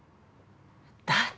だって。